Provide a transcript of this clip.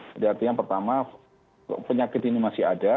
jadi artinya pertama penyakit ini masih ada